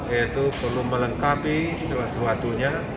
yaitu perlu melengkapi salah sepatunya